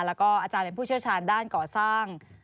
แล้วก็อาจารย์เป็นผู้เชี่ยวชาญด้านก่อสร้าง